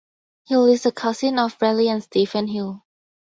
Hill is the cousin of Bradley and Stephen Hill.